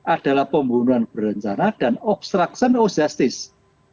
adalah pembunuhan berencana dan obstruction of justice